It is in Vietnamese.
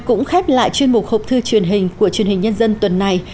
cũng khép lại chuyên mục hộp thư truyền hình của truyền hình nhân dân tuần này